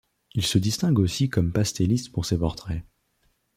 Il se distingue aussi comme pastelliste pour ses portraits.